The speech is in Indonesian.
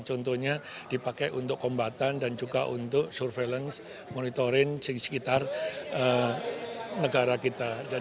contohnya dipakai untuk kombatan dan juga untuk surveillance monitoring di sekitar negara kita